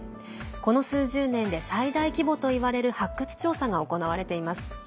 この数十年で最大規模といわれる発掘調査が行われています。